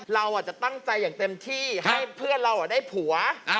เราจะตั้งใจอย่างเต็มที่ให้เพื่อนเราได้ผัว